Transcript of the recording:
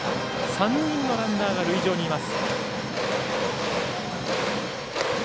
３人のランナーが塁上にいます。